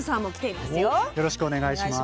よろしくお願いします。